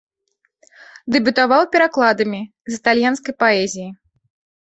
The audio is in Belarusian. Дэбютаваў перакладамі з італьянскай паэзіі.